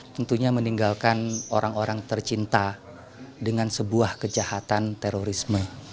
tentunya meninggalkan orang orang tercinta dengan sebuah kejahatan terorisme